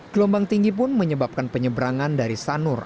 gelombang tinggi pun menyebabkan penyeberangan dari sanur